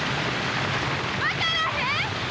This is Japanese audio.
分からへん！